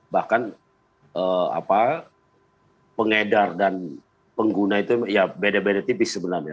bahkan pengedar dan pengguna itu ya beda beda tipis sebenarnya